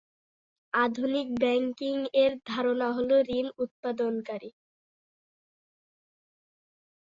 আধুনিক ব্যাংকিং এর ধারণা হল, ঋণ উৎপাদনকারী।